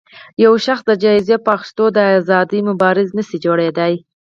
يو شخص د جايزې په اخیستو د ازادۍ مبارز نه شي جوړېدای